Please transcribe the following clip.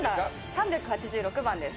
３８６番です。